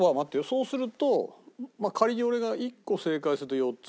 そうすると仮に俺が１個正解すると４つ残る。